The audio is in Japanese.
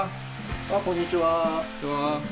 あっこんにちは。